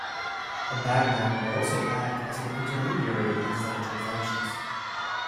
A bagman may also act as an intermediary in such transactions.